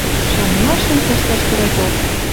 Шанымашым ӹштӓш кӹрӓток.